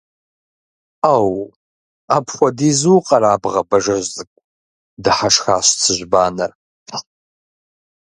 – Ӏэу! Апхуэдизу укъэрабгъэ, Бажэжь цӀыкӀу, – дыхьэшхащ Цыжьбанэр.